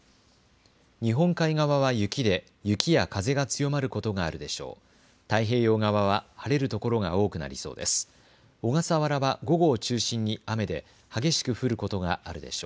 日本海側は雪で雪や風が強まることがあるでしょう。